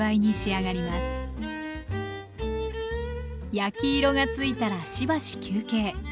焼き色が付いたらしばし休憩。